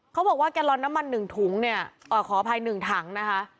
เขาบอกว่าแกนลอนน้ำมันหนึ่งถุงเนี่ยอ่อขออภัยหนึ่งถังนะคะ